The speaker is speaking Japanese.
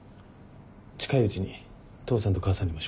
近いうちに父さんと母さんにも紹介します。